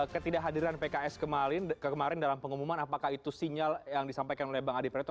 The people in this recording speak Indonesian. ketidakhadiran pks kemarin dalam pengumuman apakah itu sinyal yang disampaikan oleh bang adi praetno